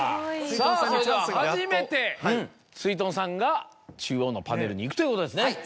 さぁそれでは初めてすいとんさんが中央のパネルに行くということですね。